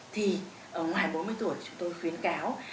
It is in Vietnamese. thì ngoài bốn mươi tuổi chúng tôi khuyến cáo